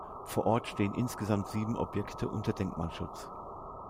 Vor Ort stehen insgesamt sieben Objekte unter Denkmalschutz.